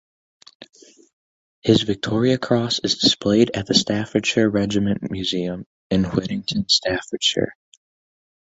His Victoria Cross is displayed at the Staffordshire Regiment Museum in Whittington, Staffordshire.